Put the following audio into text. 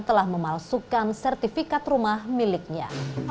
telah memalsukan sertifikat rumah miliknya